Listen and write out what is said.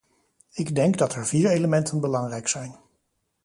Ik denk dat er vier elementen belangrijk zijn.